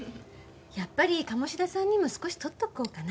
やっぱり鴨志田さんにも少しとっておこうかな。